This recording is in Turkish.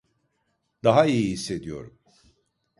Daha iyi hissediyorum.